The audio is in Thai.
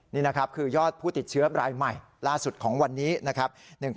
นี่นะครับคือยอดผู้ติดเชื้อรายใหม่ล่าสุดของวันนี้นะครับ